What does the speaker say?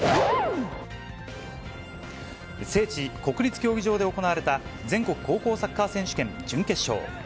聖地、国立競技場で行われた、全国高校サッカー選手権準決勝。